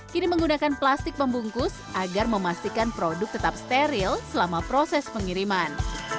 kini menggunakan plastik pembungkus agar memastikan produk tetap steril selama proses pengiriman